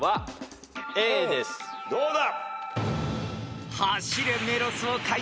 どうだ？